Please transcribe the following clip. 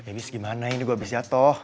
ya bis gimana ini gue abis jatoh